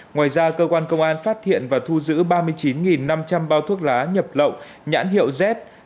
ngoài ra cơ quan công an phát hiện và thu giữ ba mươi chín năm trăm linh bao thuốc lá nhập lậu nhãn hiệu z năm trăm năm mươi năm